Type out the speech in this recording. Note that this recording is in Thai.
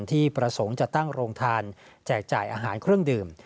ที่ประสงค์จะตั้งโรงทานแจกจ่ายอาหารเครื่องดื่ม